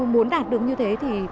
muốn đạt được như thế thì